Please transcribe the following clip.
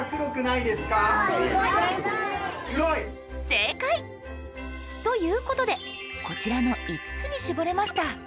正解！ということでこちらの５つに絞れました。